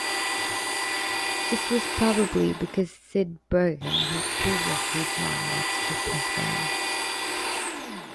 This was probably because Sid Burgon had previously drawn that strip as well.